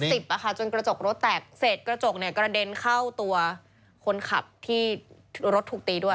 จนกระจกรถแตกเสร็จกระจกเนี่ยกระเด็นเข้าตัวคนขับที่รถถูกตีด้วย